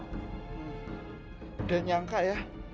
sudah nyangka ya